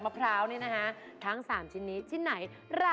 ขอบคุณทั้ง๓ท่านค่ะ